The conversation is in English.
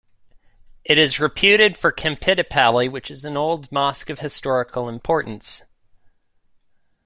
It is reputed for Chempittapally which is an old Mosque of historical importance.